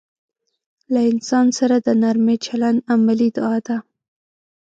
له انسان سره د نرمي چلند عملي دعا ده.